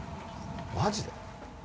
マジで？